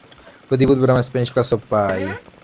প্রতি বুধবার আমরা স্প্যানিশ ক্লাসও পাই।